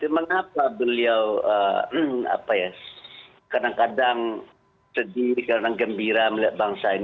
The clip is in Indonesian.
mengapa beliau kadang kadang sedih kadang gembira melihat bangsa ini